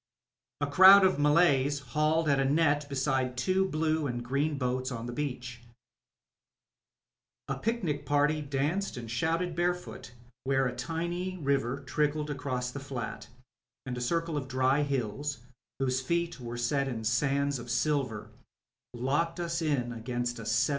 A crowd of Malays hauled at a net beside two blue and green boats on the beach; a picnic party danced and shouted barefoot where a tiny river trickled across the flat, and a circle of dry hills, whose feet were set in sands of silver, locked us in against a seven 313 Conrrifht.